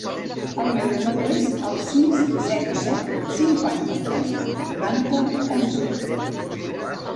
El meu número es el sis, zero, set, cinquanta-tres, quaranta, onze.